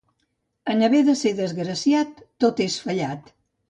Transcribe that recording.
En haver de ser desgraciat, tot és fallat.